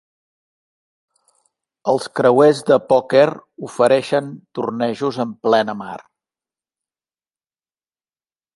Els creuers de pòquer ofereixen tornejos en plena mar.